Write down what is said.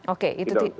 oke itu tidak